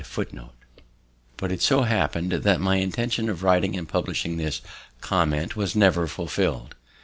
note_. But it so happened that my intention of writing and publishing this comment was never fulfilled.